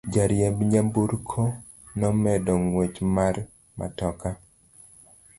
Jariemb nyamburko nomedo ng'wech mar matoka.